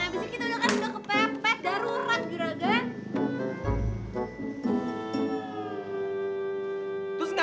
abis itu kita udah kepepet darurat juragan